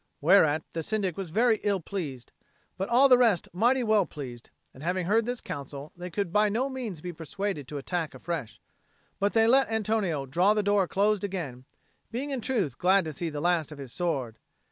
Whereat the Syndic was very ill pleased, but all the rest mighty well pleased; and, having heard this counsel, they could by no means be persuaded to attack afresh, but they let Antonio draw the door close again, being in truth glad to see the last of his sword.